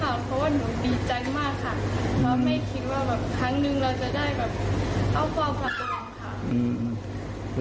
เพราะว่าหนูดีใจมากค่ะแล้วไม่คิดว่าครั้งหนึ่งเราจะได้เอาความกลับตรงค่ะ